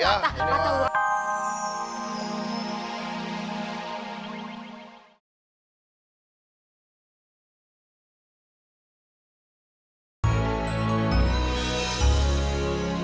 padahal blancor jangan gue chodzi nanti